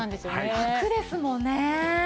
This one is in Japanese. ラクですもんね。